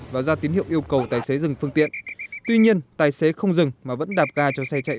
và ra tín hiệu yêu cầu tài xế dừng phương tiện tuy nhiên tài xế không dừng mà vẫn đạp ga cho xe chạy